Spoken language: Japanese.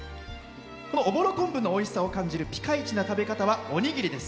おぼろ昆布のおいしさを感じるぴかいちの食べ方はおにぎりです。